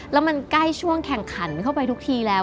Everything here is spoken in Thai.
แล้วมันใกล้ช่วงแข่งขันเข้าไปทุกทีแล้ว